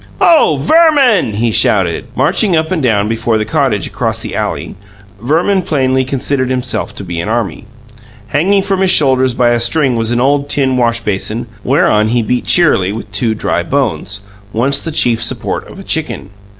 "Oh, Verman!" he shouted. Marching up and down before the cottage across the alley, Verman plainly considered himself to be an army. Hanging from his shoulders by a string was an old tin wash basin, whereon he beat cheerily with two dry bones, once the chief support of a chicken.